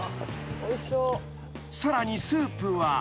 ［さらにスープは］